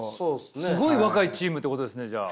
すごい若いチームってことですねじゃあ。